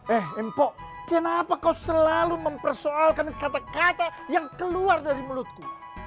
eh mpok kenapa kau selalu mempersoalkan kata kata yang keluar dari mulutku